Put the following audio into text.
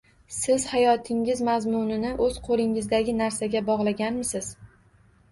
Siz hayotingiz mazmunini o’z qo’lingizdagi narsaga bog’laganmisiz